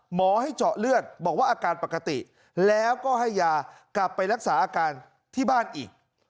หมอให้เจาะเลือดบอกว่าอาการปกติแล้วก็ให้ยากลับไปรักษาอาการที่บ้านอีก